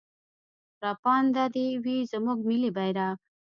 راپانده دې وي زموږ ملي بيرغ.